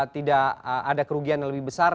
tidak ada kerugian yang lebih besar